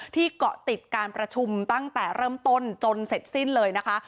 เกาะติดการประชุมตั้งแต่เริ่มต้นจนเสร็จสิ้นเลยนะคะ